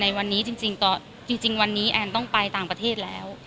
ในวันนี้จริงวันนี้แอนต้องไปต่างประเทศแล้ว